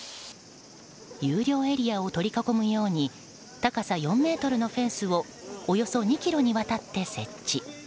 有料エリアを取り囲むように高さ４ｍのフェンスをおよそ２ｋｍにわたって設置。